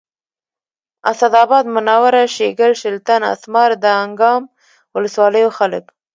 اسداباد منوره شیګل شلتن اسمار دانګام ولسوالیو خلک